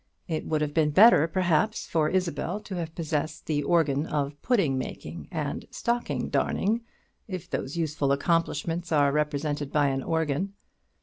It would have been better, perhaps, for Isabel to have possessed the organ of pudding making and stocking darning, if those useful accomplishments are represented by an organ.